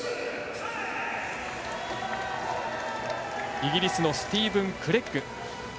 イギリスのスティーブン・クレッグ。